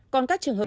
còn các trường hợp